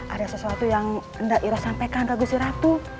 ada sesuatu yang enggak ira sampaikan kusiratu